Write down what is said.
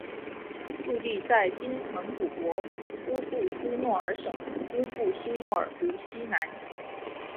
驻地在今蒙古国乌布苏诺尔省乌布苏诺尔湖西南。